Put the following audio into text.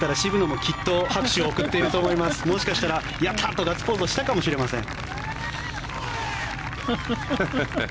もしかしたら、やったーとガッツポーズをしたかもしれません。